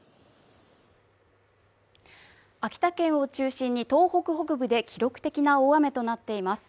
秋田県を中心に東北北部で記録的な大雨となっています。